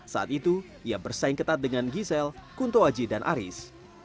saat itu ia bersaing ketat dengan giselle kunto aji dan aris